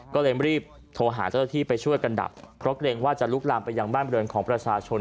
ก็เลยรีบโทรหาเจ้าที่ไปช่วยกันดับเพราะเกรงว่าจะลุกลามไปยังบ้านบริเวณของประชาชน